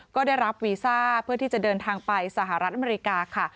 ก็ได้รับวีซ่าเพื่อที่จะเดินทางไปสหรัฐอเมริกาค่ะ